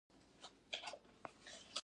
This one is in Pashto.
شورا له یوه تن غړي سره وګوري.